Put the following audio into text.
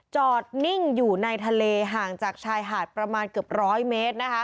จอดนิ่งอยู่ในทะเลห่างจากชายหาดประมาณเกือบร้อยเมตร